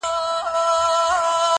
هغه اوس كډ ه وړي كا بل ته ځي.